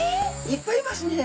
いっぱいいますね。